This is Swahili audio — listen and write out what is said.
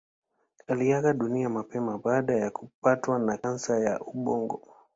Aliaga dunia mapema baada ya kupatwa na kansa ya ubongo.